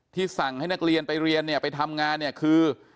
สั่งให้นักเรียนไปเรียนเนี่ยไปทำงานเนี่ยคือ